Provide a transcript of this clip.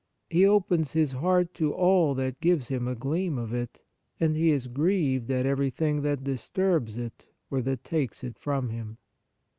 He opens his heart to all that gives 144 The Fruits of Piety him a gleam of it, and he is grieved at everything that disturbs it or that takes it from him.